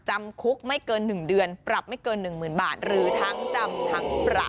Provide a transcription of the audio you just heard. จำคุกไม่เกิน๑เดือนปรับไม่เกิน๑๐๐๐บาทหรือทั้งจำทั้งปรับ